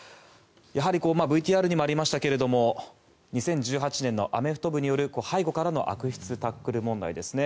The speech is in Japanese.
やはりＶＴＲにもありましたが２０１８年のアメフト部による背後からの悪質タックル問題ですね。